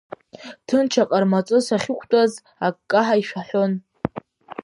Ҭынч аҟармаҵыс ахьықәтәаз, аккаҳәа ишәаҳәон.